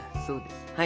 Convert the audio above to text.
そうです。